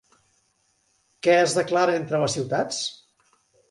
Què es declara entre les ciutats?